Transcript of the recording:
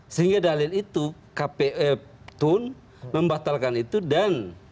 sehingga dalil itu kpu tun membatalkan itu dan